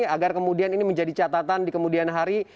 agar kemudian ini menjadi catatan di kemudian hari